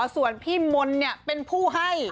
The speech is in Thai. อ๋อส่วนพี่มนต์เนี่ยเป็นผู้ให้